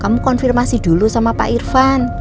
kamu konfirmasi dulu sama pak irfan